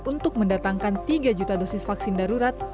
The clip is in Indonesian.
untuk mendatangkan tiga juta dosis vaksin darurat